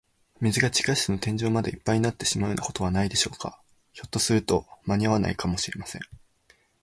水が地下室の天井までいっぱいになってしまうようなことはないでしょうか。ひょっとすると、まにあわないかもしれません。